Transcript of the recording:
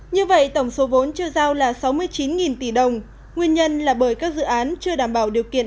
như vậy tổng số vốn chưa giao là sáu mươi chín tỷ đồng nguyên nhân là bởi các dự án chưa đảm bảo điều kiện